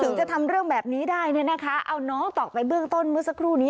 ถึงจะทำเรื่องแบบนี้ได้เนี่ยนะคะเอาน้องต่อไปเบื้องต้นเมื่อสักครู่นี้